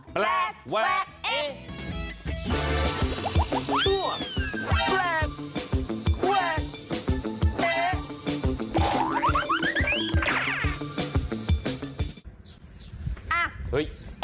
แปลกแวกเอ๊ะ